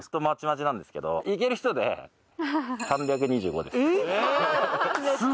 まちまちなんですけどいける人で３２５です。